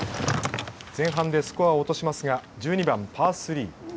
前半でスコアを落としますが１２番パースリー。